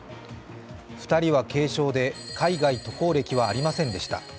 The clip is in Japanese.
２人は軽症で海外渡航歴はありませんでした。